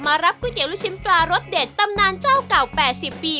รับก๋วยเตี๋ยลูกชิ้นปลารสเด็ดตำนานเจ้าเก่า๘๐ปี